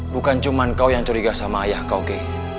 bukan cuma kau yang curiga sama ayah kau kei